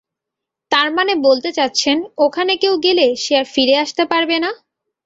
তার মানে বলতে চাচ্ছেন ওখানে কেউ গেলে সে আর ফিরে আসতে পারবে না?